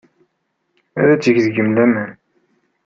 Ad teg deg-m laman.